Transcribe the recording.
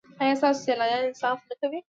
ایا ستاسو سیالان انصاف نه کوي؟